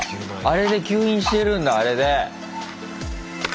あれで吸引してるんだあれで。